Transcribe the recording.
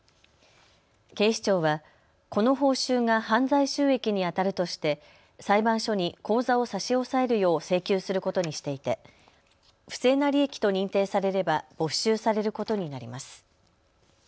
警視庁はこの報酬が犯罪収益にあたるとして裁判所に口座を差し押さえるよう請求することにしていて不正な利益と認定されれば没収されることになります。